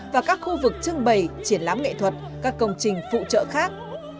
và các khu vực trưng bày triển lãm nghệ thuật các công trình phụ trợ khác